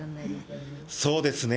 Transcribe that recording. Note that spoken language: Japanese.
そうですね。